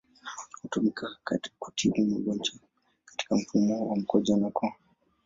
Hutumika kutibu magonjwa katika mfumo wa mkojo na koo.